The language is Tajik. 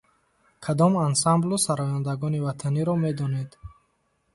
Кадом ансамблу сарояндагони ватаниро медонед?